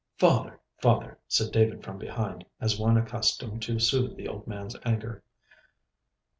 'Father, father,' said David from behind, as one accustomed to soothe the old man's anger.